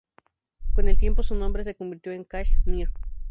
Con el tiempo su nombre se convirtió en Kash-mir.